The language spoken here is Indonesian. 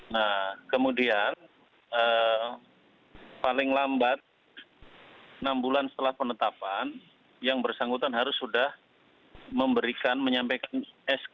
nah kemudian paling lambat enam bulan setelah penetapan yang bersangkutan harus sudah memberikan menyampaikan sk